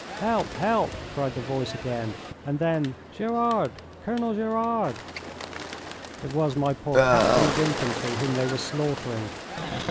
"Help! Help!" cried the voice again, and then "Gerard! Colonel Gerard!" It was my poor captain of infantry whom they were slaughtering.